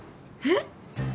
えっ？